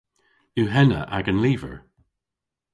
Yw henna agan lyver?